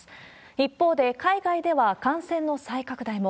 一方で、海外では感染の再拡大も。